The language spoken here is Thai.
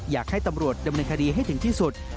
อยากให้ตำรวจดำเนินคดีให้ถึงที่สุด